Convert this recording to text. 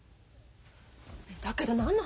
だけど何の話？